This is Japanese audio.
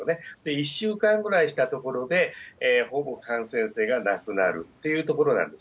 １週間ぐらいしたところで、ほぼ感染性がなくなるというところなんです。